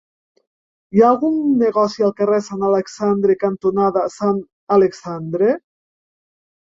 Hi ha algun negoci al carrer Sant Alexandre cantonada Sant Alexandre?